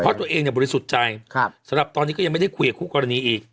เพราะตัวเองเนี่ยบริสุทธิ์ใจสำหรับตอนนี้ก็ยังไม่ได้คุยกับคู่กรณีอีก